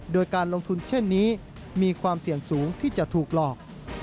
โดยการลงทุนเช่นนี้มีความเสี่ยงสูงที่จะถูกหลอก